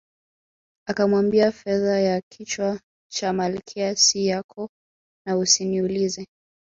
Akamwambia fedha ya kichwa cha Malkia si yako na usiniulize